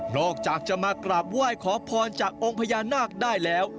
อกจากจะมากราบไหว้ขอพรจากองค์พญานาคได้แล้ว